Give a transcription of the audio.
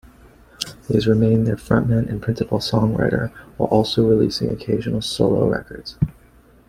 He has remained their frontman and principal songwriter, while also releasing occasional solo records.